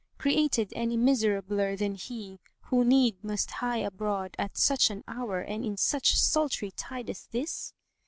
created any miserabler than he who need must hie abroad at such an hour and in such sultry tide as this?"